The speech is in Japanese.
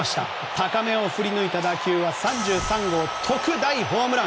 高めを振り抜いた打球は３３号特大ホームラン！